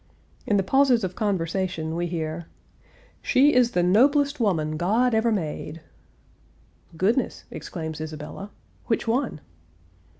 In the pauses of conversation, we hear, "She is the noblest woman God ever made!" "Goodness!" exclaims Isabella. "Which one?"